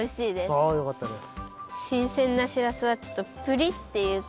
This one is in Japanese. あよかったです。